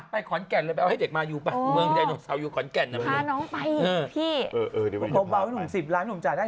ไปขอนแก่นเลยไปเอาให้เด็กมามาอยู่ป่ะ